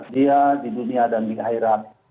dia di dunia dan di akhirat